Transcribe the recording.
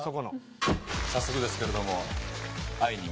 早速ですけれども。